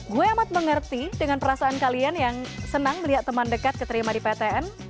gue amat mengerti dengan perasaan kalian yang senang melihat teman dekat keterima di ptn